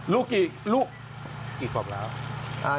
ลูกกี่ลูกกี่ขวบแล้ว